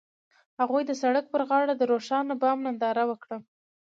هغوی د سړک پر غاړه د روښانه بام ننداره وکړه.